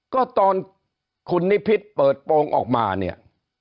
ก็ตอนคุณนิพิษเปิดโปรงออกมาเนี่ย